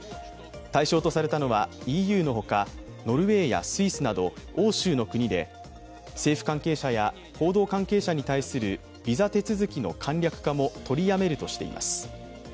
対象とされたのはＥＵの他、ノルウェーやスイスなど欧州の国で政府関係者や報道関係者に対するビザ手続きの簡略化も取りやめるとしています。